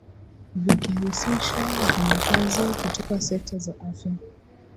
vikihusisha wafanyakazi kutoka sekta za afya